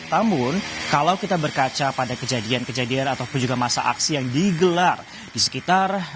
namun kalau kita berkaca pada kejadian kejadian ataupun juga masa aksi yang digelar di sekitar